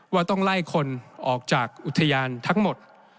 ว่าต้องไล่คนออกจากอุทยานทั้งหมด